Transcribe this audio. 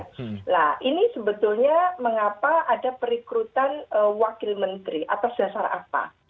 nah ini sebetulnya mengapa ada perikrutan wakil menteri atas dasar apa